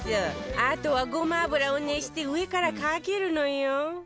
あとはごま油を熱して上からかけるのよ